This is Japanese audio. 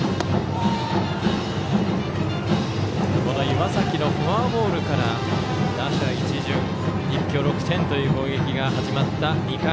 岩崎のフォアボールから打者一巡一挙６点という攻撃が始まった２回。